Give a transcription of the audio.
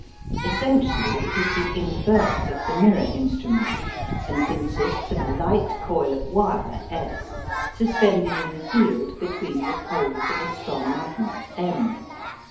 Essentially it is the inverse of the mirror instrument, and consists of a light coil of wire S suspended in the field between the poles of a strong magnet M.